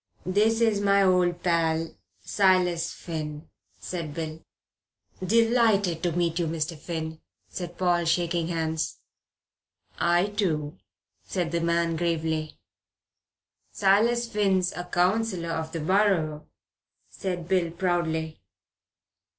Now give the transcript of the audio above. "This is my old pal, Silas Finn," said Bill. "Delighted to meet you, Mr. Finn," said Paul, shaking hands. "I too," said the man gravely. "Silas Finn's a Councillor of the Borough," said Bill proudly.